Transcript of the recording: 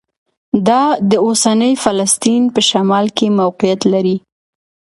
دا د اوسني فلسطین په شمال کې موقعیت لري.